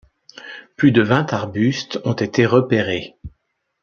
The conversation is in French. Plus de vingt arbustes ont été repérés.